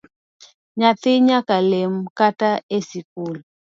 Nyathi nyaka lem kata esikul